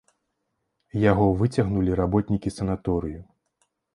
Яго выцягнулі работнікі санаторыю.